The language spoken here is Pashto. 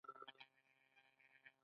موږ د ښوونځیو پرانیستو هیله لرو.